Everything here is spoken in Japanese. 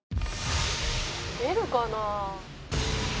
「出るかな？」